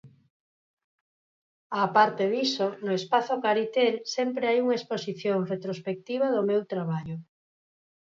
Á parte diso, no Espazo Caritel sempre hai unha exposición retrospectiva do meu traballo.